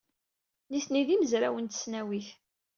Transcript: Nitni d imezrawen n tesnawit.